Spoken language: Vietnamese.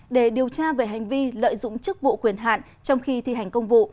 để điều tra về hành vi lợi dụng chức vụ quyền hạn trong khi thi hành công vụ